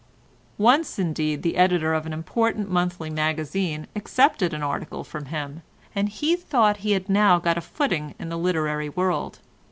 Once, indeed, the editor of an important monthly magazine accepted an article from him, and he thought he had now got a footing in the literary world.